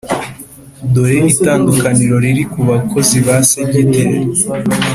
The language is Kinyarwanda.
Dore itandukaniro riri ku Bakozi ba Segiteri